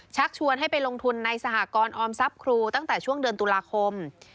ชักชวนให้ไปลงทุนในสหกรออมทรัพย์ครูตั้งแต่ช่วงเดือนตุลาคม